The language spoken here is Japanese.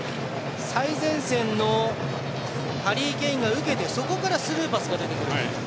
最前線のハリー・ケインが受けてそこからスルーパスが出てくるという。